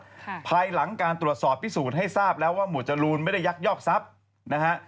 ภายหลังการตรวจสอบพิสูจน์ให้ทราบแล้วว่าหมวดจรูนไม่ได้ยักยอกทรัพย์นะฮะ